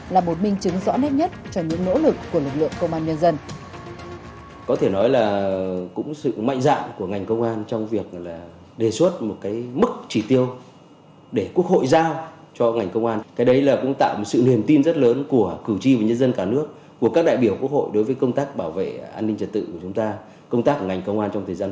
là một minh chứng rõ nét nhất cho những nỗ lực của lực lượng công an nhân dân